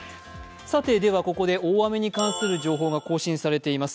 ここで大雨に関する情報が更新されています。